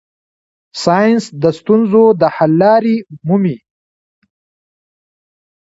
ساینس د ستونزو د حل لارې مومي.